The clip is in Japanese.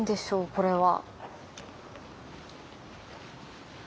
これは。